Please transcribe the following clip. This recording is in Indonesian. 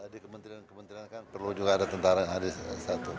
di kementerian kementerian kan perlu juga ada tentara yang ada di satu